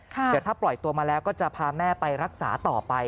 เดี๋ยวถ้าปล่อยตัวมาแล้วก็จะพาแม่ไปรักษาต่อไป